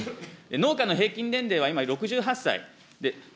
農家の平均年齢は今、６８歳。